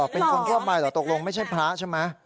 เป็นคนทั่วไปเหรอตกลงไม่ใช่พระใช่ไหม